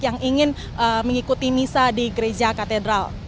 yang ingin mengikuti misa di gereja katedral